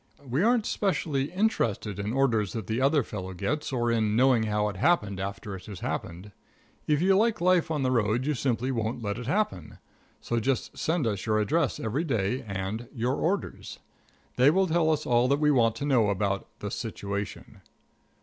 We aren't specially interested in orders that the other fellow gets, or in knowing how it happened after it has happened. If you like life on the road you simply won't let it happen. So just send us your address every day and your orders. They will tell us all that we want to know about "the situation."